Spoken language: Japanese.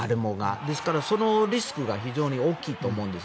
ですから、そのリスクが非常に大きいと思うんです。